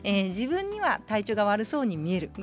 自分には体調が悪そうに見える。